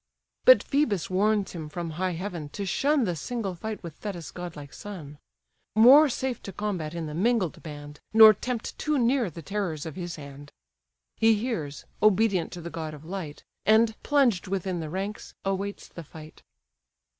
But Phœbus warns him from high heaven to shun The single fight with Thetis' godlike son; More safe to combat in the mingled band, Nor tempt too near the terrors of his hand. He hears, obedient to the god of light, And, plunged within the ranks, awaits the fight.